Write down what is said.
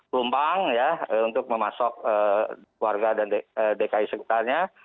lumpang ya untuk memasok warga dan dki sekitarnya